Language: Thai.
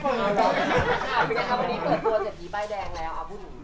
บ๊วยเกษนท์ครับวันนี้เปิดตัวเฉพาะ๗ดีใบดแดงแล้ว